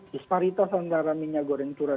disparitas antara minyak goreng curah